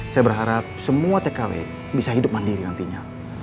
saya berharap semua tkw bisa hidup mandiri nantinya